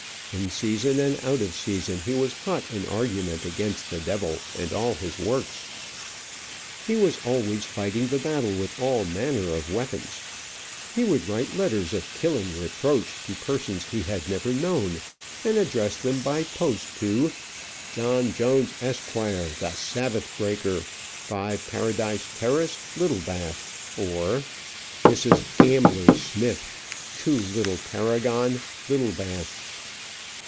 In season and out of season he was hot in argument against the devil and all his works. He was always fighting the battle with all manner of weapons. He would write letters of killing reproach to persons he had never known, and address them by post to "John Jones, Esq., The Sabbath breaker, 5 Paradise Terrace, Littlebath." or "Mrs. Gambler Smith, 2 Little Paragon, Littlebath."